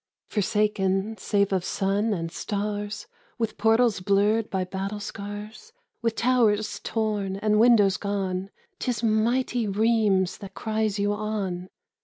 22 The Return of Jeanne d'Arc Forsaken save of sun and stars, With portals blurred by battle scars, With towers torn and windows gone, 'Tis mighty Rheims that cries you on